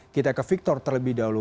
kita ke victor terlebih dahulu